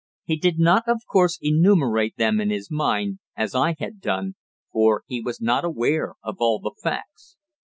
He did not, of course, enumerate them in his mind, as I had done, for he was not aware of all the facts.